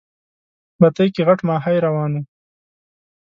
بتۍ کې غټ ماهی روان و.